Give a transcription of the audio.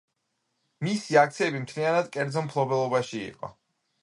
მისი აქციები მთლიანად კერძო მფლობელობაში იყო.